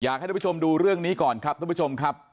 ให้ทุกผู้ชมดูเรื่องนี้ก่อนครับทุกผู้ชมครับ